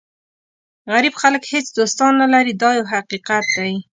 غریب خلک هېڅ دوستان نه لري دا یو حقیقت دی.